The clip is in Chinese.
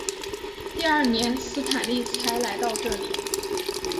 第二年斯坦利才来到这里。